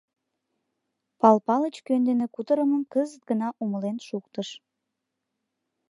Пал Палыч кӧн дене кутырымым кызыт гына умылен шуктыш.